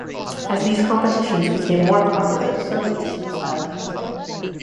As these competitions became more popular so did this new style of music.